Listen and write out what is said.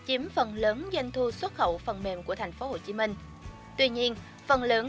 tuy nhiên phần lớn các doanh nghiệp trong khu công viên phần mềm quang trung đều làm gia công cho các đối tác nước ngoài